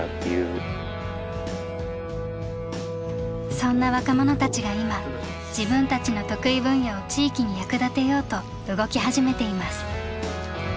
そんな若者たちが今自分たちの得意分野を地域に役立てようと動き始めています。